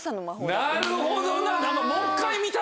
なるほどな。